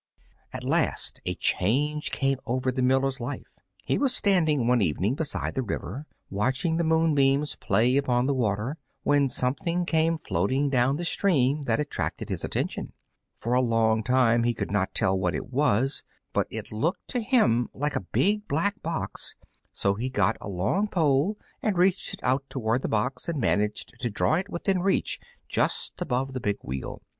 At last a change came over the miller's life. He was standing one evening beside the river, watching the moonbeams play upon the water, when something came floating down the stream that attracted his attention. For a long time he could not tell what it was, but it looked to him like a big black box; so he got a long pole and reached it out towards the box and managed to draw it within reach just above the big wheel.